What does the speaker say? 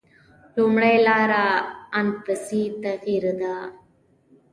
لومړۍ لاره انفسي تغییر ده.